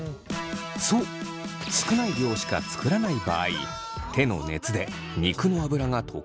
そう少ない量しか作らない場合手の熱で肉の脂が溶けだします。